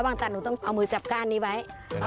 ละว่างตัดคุณต้องเอามือจับก้านนี้ไว้